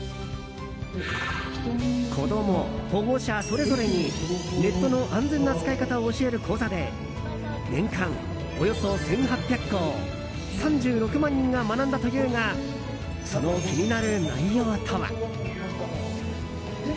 子供、保護者それぞれにネットの安全な使い方を教える講座で年間およそ１８００校３６万人が学んだというがその気になる内容とは？